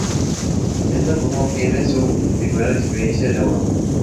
De esta forma obtiene su primera experiencia en Europa.